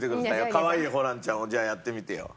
かわいいホランちゃんをじゃあやってみてよ。